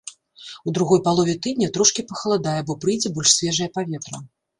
У другой палове тыдня трошкі пахаладае, бо прыйдзе больш свежае паветра.